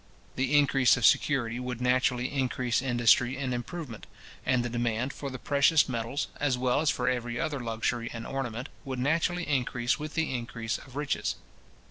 The increase of security would naturally increase industry and improvement; and the demand for the precious metals, as well as for every other luxury and ornament, would naturally increase with the increase of riches.